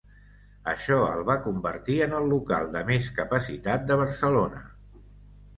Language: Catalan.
Això el va convertir en el local de més capacitat de Barcelona.